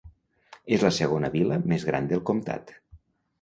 És la segona vila més gran del comtat.